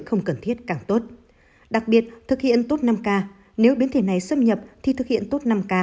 không cần thiết càng tốt đặc biệt thực hiện tốt năm k nếu biến thể này xâm nhập thì thực hiện tốt năm k